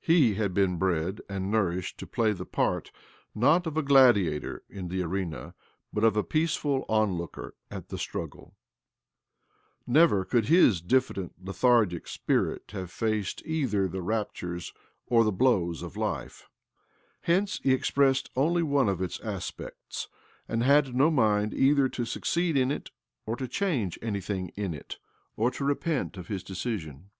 He had been bred and nourished to play the part, not of a gladiator in the arena but of a peaceful „onlooker at the struggle . Never could his diffident, lethargic spirit have faced either the raptures or the blows of life. Hence he expressed only one of its aspects, and had no mind either to succeed in it, or to change anything in it, or to repent of his decision.